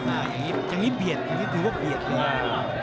อ่าอย่างนี้เบียดอย่างนี้ดูว่าเบียดเลย